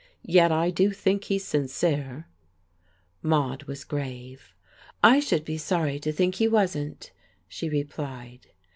"Yet I do think he's sincere." Maude was grave. "I should be sorry to think he wasn't," she replied.